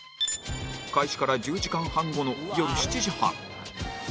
開始から１０時間半後の夜７時半